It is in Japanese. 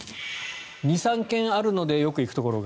２３軒あるのでよく行くところが。